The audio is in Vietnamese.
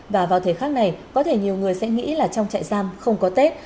và vào thời khắc này có thể nhiều người sẽ nghĩ là trong trại giam không có tết